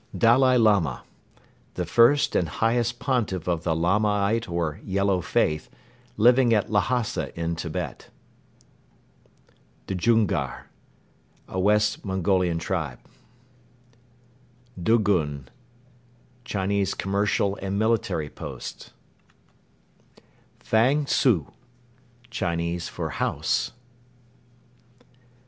Dalai Lama. The first and highest Pontiff of the Lamaite or "Yellow Faith," living at Lhasa in Tibet. Djungar. A West Mongolian tribe. Dugun. Chinese commercial and military post. Dzuk. Lie down! Fang tzu. Chinese for "house."